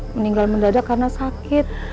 meninggal mendadak karena sakit